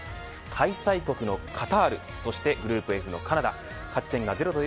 開催国のカタールそしてグループＦのカナダ。